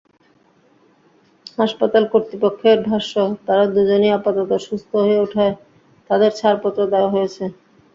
হাসপাতাল কর্তৃপক্ষের ভাষ্য, তাঁরা দুজনই আপাতত সুস্থ হয়ে ওঠায় তাঁদের ছাড়পত্র দেওয়া হয়েছে।